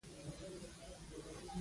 په خلکو کې یوازې وېره ختمول نه دي.